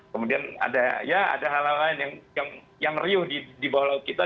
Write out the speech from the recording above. kemudian ada hal lain yang meriuh di bawah laut kita